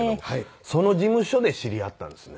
その事務所で知り合ったんですね。